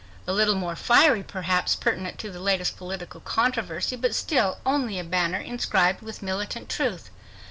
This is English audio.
A little more fiery, perhaps; pertinent to the latest political controversy, but still only a banner inscribed with militant truth!